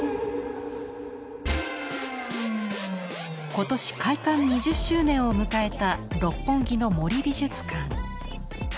今年開館２０周年を迎えた六本木の森美術館。